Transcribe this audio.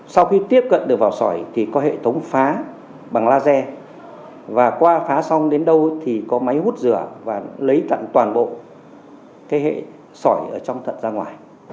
sau khi tiếp cận được vào sỏi thì có hệ thống phá bằng laser và qua phá xong đến đâu thì có máy hút rửa và lấy tặng toàn bộ cái hệ sỏi ở trong thận ra ngoài